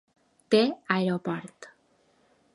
Té aeroport.